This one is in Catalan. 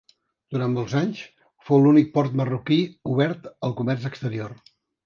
Durant molts anys, fou l'únic port marroquí obert al comerç exterior.